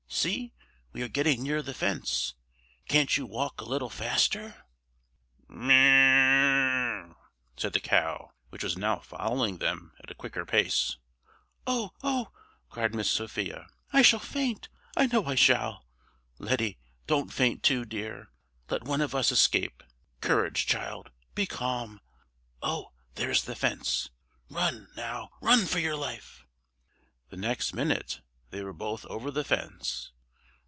See! we are getting near the fence. Can't you walk a little faster?" "Moo oo ooo!" said the cow, which was now following them at a quicker pace. "Oh! oh!" cried Miss Sophia. "I shall faint, I know I shall! Letty, don't faint too, dear. Let one of us escape. Courage, child! Be calm! Oh! there is the fence. Run, now, run for your life!" The next minute they were both over the fence.